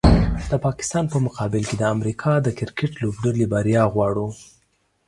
د پاکستان په مقابل کې د امریکا د کرکټ لوبډلې بریا غواړو